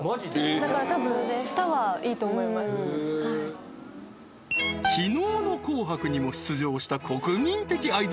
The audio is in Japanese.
だから多分へえー昨日の紅白にも出場した国民的アイド